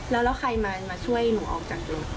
แล้วใครมาช่วยหนูออกจากรถ